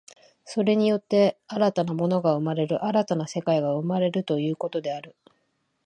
それによって新たな物が生まれる、新たな世界が生まれるということである。